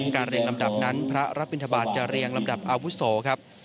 เรียงลำดับนั้นพระรับบินทบาทจะเรียงลำดับอาวุโสครับ